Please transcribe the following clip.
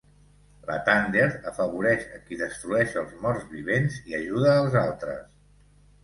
Lathander afavoreix a qui destrueix els morts vivents i ajuda als altres.